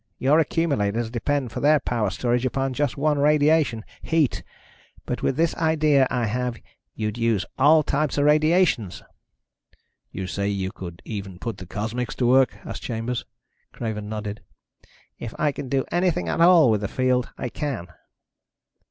Your accumulators depend for their power storage upon just one radiation ... heat. But with this idea I have you'd use all types of radiations." "You say you could even put the cosmics to work?" asked Chambers. Craven nodded. "If I can do anything at all with the field, I can."